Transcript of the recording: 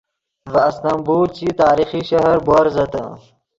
ڤے استنبول چی تاریخی شہر بوورزتے